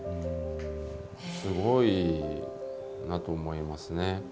すごいなと思いますね。